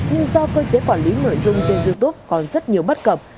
nhưng do cơ chế quản lý nội dung trên youtube còn rất nhiều bất cập